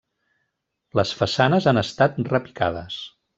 Les façanes han estat repicades.